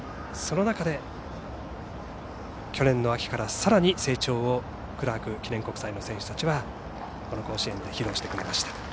その中で、去年の秋からさらに成長をクラーク記念国際の選手たちはこの甲子園で披露してくれました。